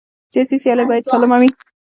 سیاسي سیالۍ باید سالمه وي